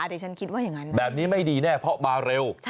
ดิฉันคิดว่าอย่างนั้นแบบนี้ไม่ดีแน่เพราะมาเร็ว